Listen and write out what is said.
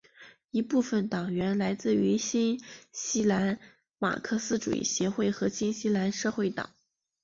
一部分党员来自于新西兰马克思主义协会和新西兰社会党。